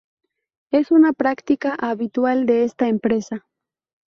Es una práctica habitual de esta empresa